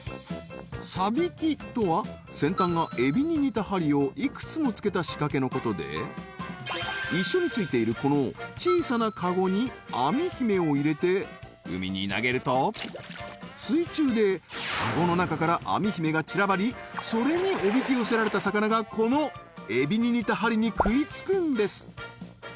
サビキとは先端がエビに似た針をいくつも付けた仕掛けのことで一緒に付いているこの小さなカゴにアミ姫を入れて海に投げると水中でカゴの中からアミ姫が散らばりそれにおびき寄せられた魚がこのエビに似た針に食いつくんです